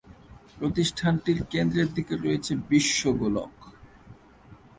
প্রতিষ্ঠানটির কেন্দ্রের দিকে রয়েছে বিশ্ব গোলক।